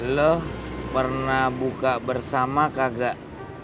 lo pernah buka bersama kakak